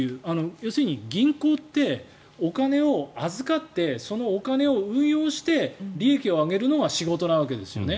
要するに銀行ってお金を預かってそのお金を運用して利益を上げるのが仕事なわけですよね。